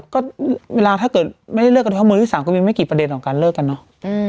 ก็เวลาถ้าเกิดไม่ได้เลิกกระท่อมมือที่๓ก็มีไม่กี่ประเด็นของการเลิกกันเนอะ